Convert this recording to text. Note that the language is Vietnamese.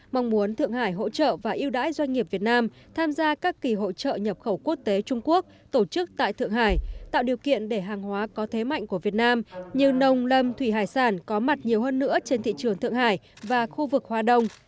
mong muốn thượng hải hỗ trợ và yêu đãi doanh nghiệp việt nam tham gia các kỳ hội trợ nhập khẩu quốc tế trung quốc tổ chức tại thượng hải tạo điều kiện để hàng hóa có thế mạnh của việt nam như nông lâm thủy hải sản có mặt nhiều hơn nữa trên thị trường thượng hải và khu vực hoa đông